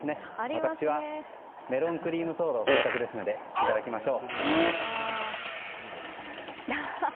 私はメロンクリームソーダをせっかくですのでいただきましょう。